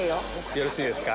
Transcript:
よろしいですか？